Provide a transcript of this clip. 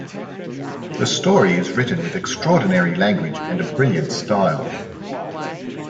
The story is written with extraordinary language and a brilliant style.